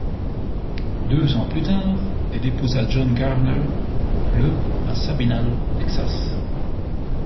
Deux ans plus tard, elle épousa John Garner le à Sabinal, Texas.